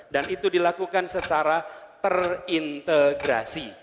dan itu dilakukan secara terintegrasi